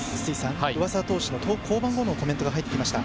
上沢投手の降板後のコメントが入ってきました。